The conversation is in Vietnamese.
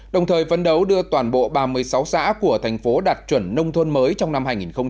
đồng thời vấn đấu đưa toàn bộ ba mươi sáu xã của thành phố đặt chuẩn nông thôn mới trong năm hai nghìn một mươi chín